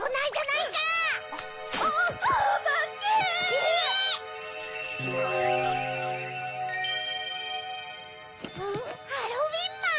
え⁉ハロウィンマン！